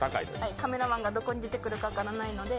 カメラマンがどこに出てくるかも分からないので。